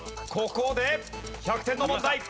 ここで１００点の問題。